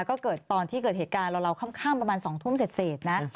ก็เกิดตอนมีเหตุการณ์เราเครื่องเข้ามประมานสองทุ่มเสร็จนะ